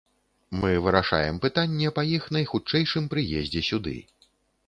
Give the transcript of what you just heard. Мы вырашаем пытанне па іх найхутчэйшым прыездзе сюды.